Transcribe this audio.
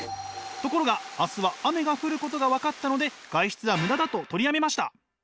ところが明日は雨が降ることが分かったので外出はムダだと取りやめました。